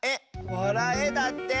「わらえ」だって！